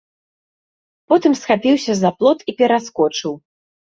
Потым схапіўся за плот і пераскочыў.